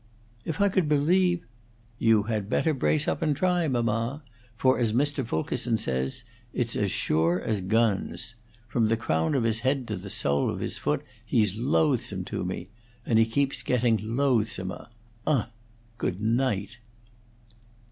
"If I could believe " "You had better brace up and try, mamma; for as Mr. Fulkerson says, it's as sure as guns. From the crown of his head to the sole of his foot, he's loathsome to me; and he keeps getting loathsomer. Ugh! Goodnight!"